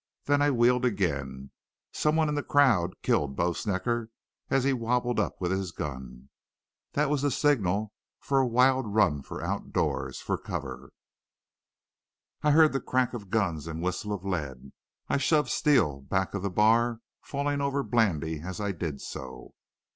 Then I wheeled again. Someone in the crowd killed Bo Snecker as he wobbled up with his gun. That was the signal for a wild run for outdoors, for cover. I heard the crack of guns and whistle of lead. I shoved Steele back of the bar, falling over Blandy as I did so.